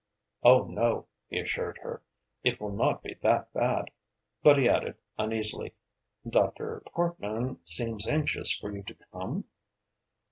"Oh, no," he assured her; "it will not be that bad." But he added, uneasily: "Dr. Parkman seems anxious for you to come?"